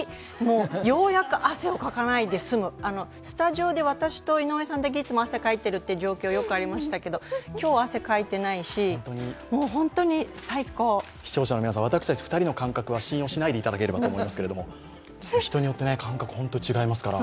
ようやく汗をかかないで済む、スタジオで私と井上さんだけいつも汗をかいているという状況がよくありましたけど、今日は汗かいてないし、視聴者の皆さん、私たち２人の感覚は信用しないでいただければと思いますけれども人によって感覚、本当に違いますから。